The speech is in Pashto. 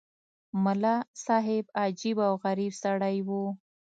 ملا صاحب عجیب او غریب سړی وو.